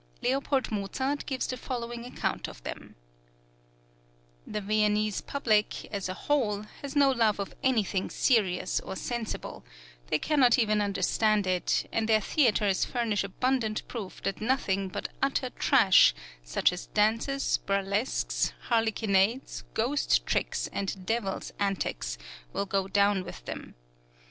Leopold Mozart gives the following account of them: The Viennese public, as a whole, has no love of anything serious or sensible; they cannot even understand it; and their theatres furnish abundant proof that nothing but utter trash, such as dances, burlesques, harlequinades, ghost tricks, and devil's antics will go down with them.